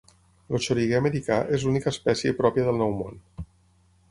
El xoriguer americà és l'única espècie pròpia del Nou Món.